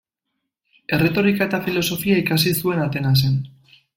Erretorika eta filosofia ikasi zuen Atenasen.